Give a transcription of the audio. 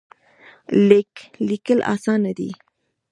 لیکل اسانه دی.